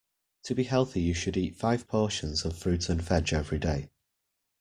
To be healthy you should eat five portions of fruit and veg every day